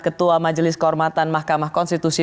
ketua majelis kehormatan mahkamah konstitusi